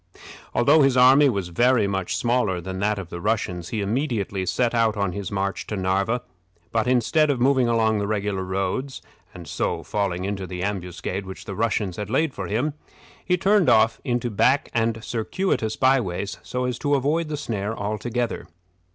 Although his army was very much smaller than that of the Russians, he immediately set out on his march to Narva; but, instead of moving along the regular roads, and so falling into the ambuscade which the Russians had laid for him, he turned off into back and circuitous by ways, so as to avoid the snare altogether.